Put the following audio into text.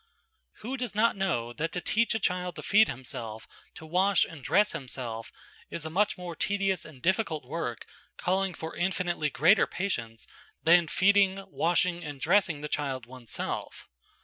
Who does not know that to teach a child to feed himself, to wash and dress himself, is a much more tedious and difficult work, calling for infinitely greater patience, than feeding, washing and dressing the child one's self